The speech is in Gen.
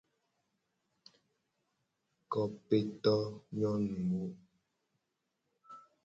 Kopetowo nyonuwo.